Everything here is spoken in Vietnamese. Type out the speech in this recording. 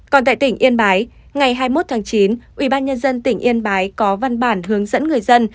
còn tại tỉnh yên bái ngày hai mươi một tháng chín ubnd tỉnh yên bái có văn bản hướng dẫn người dân